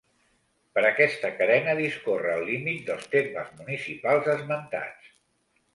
Per aquesta carena discorre el límit dels termes municipals esmentats.